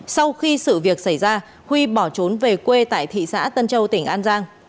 sau khi sự việc xảy ra huy bỏ trốn về quê tại thị xã tân châu tỉnh an giang